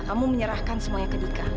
kamu menyerahkan semuanya ke dika